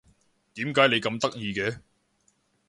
點解你咁得意嘅？